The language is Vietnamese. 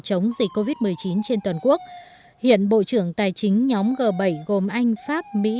chống dịch covid một mươi chín trên toàn quốc hiện bộ trưởng tài chính nhóm g bảy gồm anh pháp mỹ